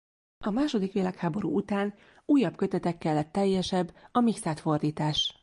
A második világháború után újabb kötetekkel lett teljesebb a Mikszáth-fordítás.